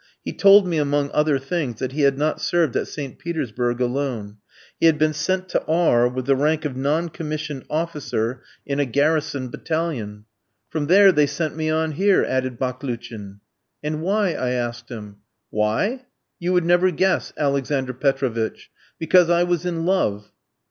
He told me, among other things, that he had not served at St. Petersburg alone. He had been sent to R with the rank of non commissioned officer in a garrison battalion. "From there they sent me on here," added Baklouchin. "And why?" I asked him. "Why? You would never guess, Alexander Petrovitch. Because I was in love."